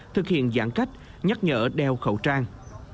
thực hiện giãn cách nhắc nhở đeo khẩu trang